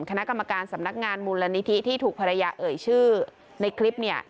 คณะกรรมการสำนักงานมูลนิธิที่ถูกภรรยาเอ่ยชื่อในคลิปเนี่ย